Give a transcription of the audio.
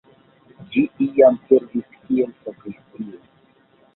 Ĝi iam servis kiel sakristio.